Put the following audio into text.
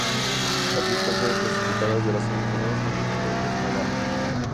Las diez canciones clasificadas de las semifinales compitieron en esta gala.